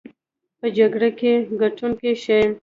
په جګړه کې ګټونکي شي.